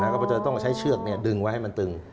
ก็จะต้องใช้เชือกดึงไว้ให้มันตึง